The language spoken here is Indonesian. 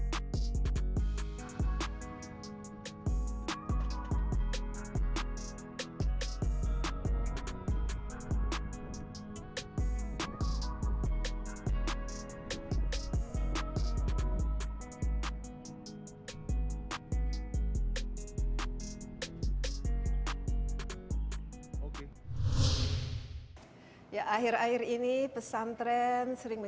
perkembangan penjualan pesantren p live